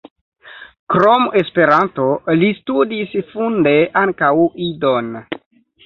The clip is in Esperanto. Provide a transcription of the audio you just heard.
Krom Esperanto li studis funde ankaŭ Idon.